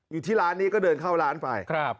อยู่ที่ร้านนี้ก็เดินเข้าร้านไป